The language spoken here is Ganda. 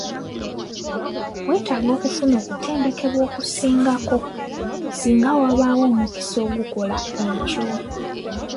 Weetaaga okufuna okutendekebwa okusingako singa wabaawo omukisa okukola ekyo?